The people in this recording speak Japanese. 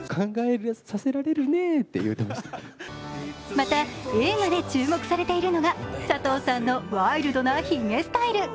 また、映画で注目されているのが佐藤さんのワイルドなひげスタイル。